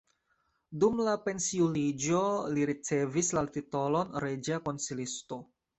Dum la pensiuliĝo li ricevis la titolon reĝa konsilisto.